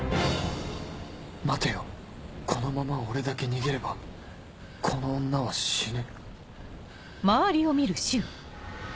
待てよこのまま俺だけ逃げればこの女は死ぬ